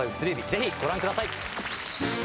ぜひご覧ください